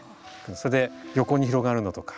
それで横に広がるのとか。